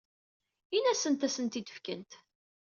Ini-asent ad asen-ten-id-fkent.